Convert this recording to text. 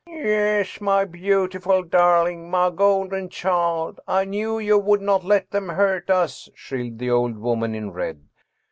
' Yes, my beautiful darling my golden child I knew you would not let them hurt us/ shrilled the old woman in red.